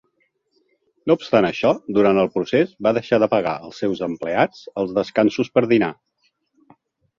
No obstant això, durant el procés va deixar de pagar als seus empleats els descansos per dinar.